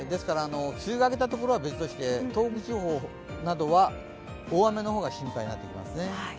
梅雨が明けた所は別として東北地方などは大雨の方が心配になってきますね。